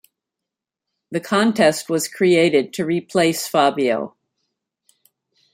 The contest was created to replace Fabio.